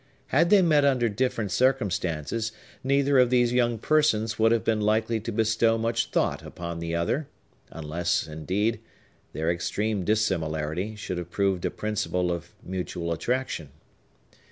Had they met under different circumstances, neither of these young persons would have been likely to bestow much thought upon the other, unless, indeed, their extreme dissimilarity should have proved a principle of mutual attraction.